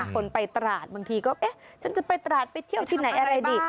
คนไปตราดบางทีก็เอ๊ะฉันจะไปตราดไปเที่ยวที่ไหนอะไรดี